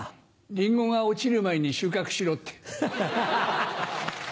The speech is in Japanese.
リンゴが落ちる前に収穫しろって。